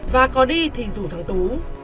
và có đi thì rủ thằng tú